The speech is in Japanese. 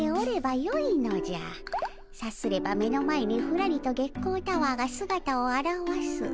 さすれば目の前にふらりと月光タワーがすがたをあらわす。